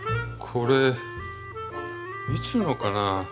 これいつのかな。